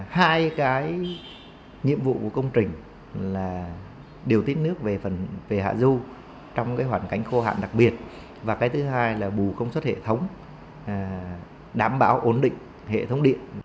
hai cái nhiệm vụ của công trình là điều tích nước về hạ du trong cái hoàn cảnh khô hạn đặc biệt và cái thứ hai là bù công suất hệ thống đảm bảo ổn định hệ thống điện